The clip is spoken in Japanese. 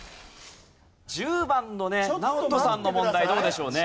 １０番のねナオトさんの問題どうでしょうね？